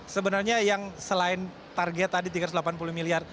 sebenarnya yang selain target tadi tiga ratus delapan puluh miliar